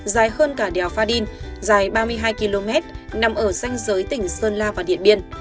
dài hơn cả đèo pha đin dài ba mươi hai km nằm ở danh giới tỉnh sơn la và điện biên